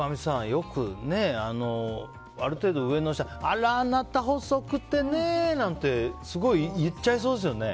よく、ある程度上の人があら、あなた細くてねなんてすごい言っちゃいそうですよね。